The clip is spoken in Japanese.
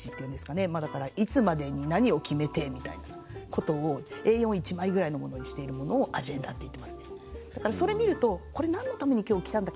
まあだからいつまでに何を決めてみたいなことをＡ４１枚ぐらいのものにしているものをアジェンダって言ってますね。